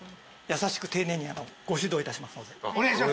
優しく丁寧にご指導いたしますので。